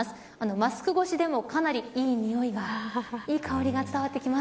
マスク越しでも、かなりいい香りが伝わってきます。